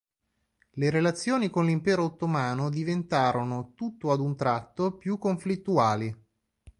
Le relazioni con l'impero ottomano diventarono, tutto ad un tratto, più conflittuali.